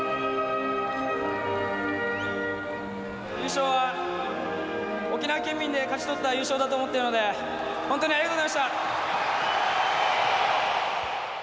優勝は沖縄県民で勝ち取った優勝だと思っているので本当にありがとうございました。